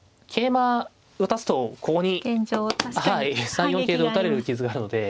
３四桂で打たれる傷があるので。